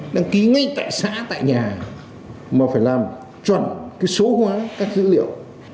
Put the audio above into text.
đăng ký ngay tại xã tại nhà mà phải làm chuẩn cái số hóa các dữ liệu